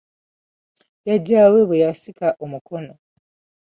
Jajjaawe bwe yakisa omukono.